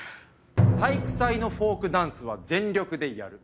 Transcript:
「体育祭のフォークダンスは全力でやる」